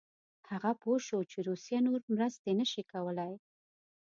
هغه پوه شو چې روسیه نور مرستې نه شي کولای.